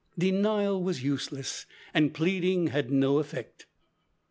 Denial was useless, and pleading had no effect.